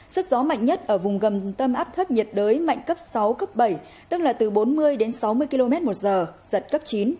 sức gió mạnh nhất ở vùng gần tâm áp thấp nhiệt đới mạnh cấp sáu cấp bảy tức là từ bốn mươi đến sáu mươi km một giờ giật cấp chín